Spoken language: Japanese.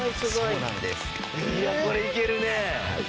いやこれいけるね。